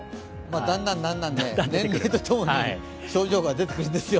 だんだん年齢とともに出てくるんですよ。